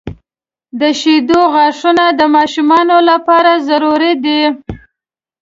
• د شیدو غاښونه د ماشومانو لپاره ضروري دي.